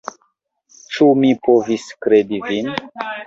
Ĉu mi povis kredi vin?